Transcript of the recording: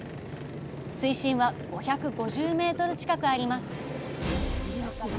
水深は５５０ｍ近くあります